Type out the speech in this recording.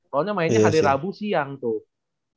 soalnya mainnya hari rabu siang tuh